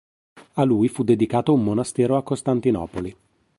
A lui fu dedicato un monastero a Costantinopoli.